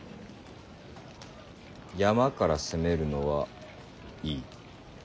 山から攻めるのはいい。